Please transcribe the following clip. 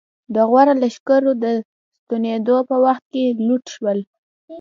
د غوري لښکرې د ستنېدو په وخت کې لوټ شول.